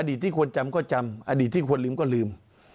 ที่ควรจำก็จำอดีตที่ควรลืมก็ลืม